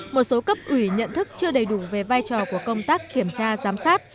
một số cấp ủy nhận thức chưa đầy đủ về vai trò của công tác kiểm tra giám sát